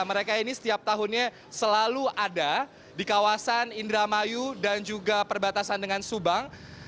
mereka ini setiap tahunnya selalu ada di kawasan indramayu dan juga perbatasan dengan subang